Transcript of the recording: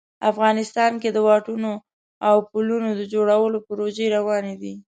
افغانستان کې د واټونو او پلونو د جوړولو پروژې روانې دي